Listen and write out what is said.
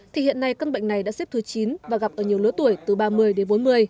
thì hiện nay căn bệnh này đã xếp thứ chín và gặp ở nhiều lứa tuổi từ ba mươi đến bốn mươi